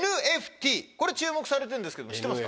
これ注目されてるんですけど知ってますか？